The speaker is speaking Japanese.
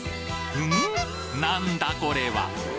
なんだこれは？